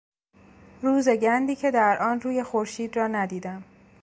روز گندی که در آن روی خورشید را ندیدم